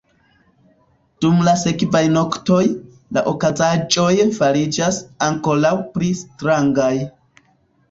Dum la sekvaj noktoj, la okazaĵoj fariĝas ankoraŭ pli strangaj.